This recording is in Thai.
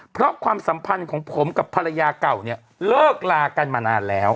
เพราะความสัมพันธ์ของผมกับภรรยาเก่าเนี่ยเลิกลากันมานานแล้ว